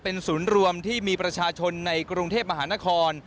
เป็นศูนย์รวมที่มีประชาชนในกรุงเทพมหานคร